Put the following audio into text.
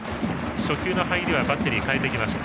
初球の入りはバッテリー変えてきました。